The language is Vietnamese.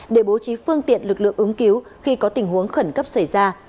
để bố trí phương tiện lực lượng ứng cứu khi có tình huống khẩn cấp xảy ra